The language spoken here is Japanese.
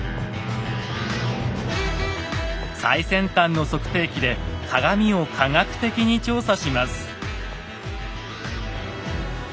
最先端の測定機で鏡を科学的に調査します。